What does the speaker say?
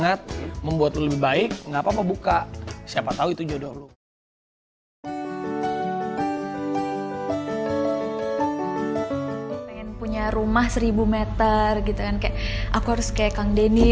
aku harus kayak kang denny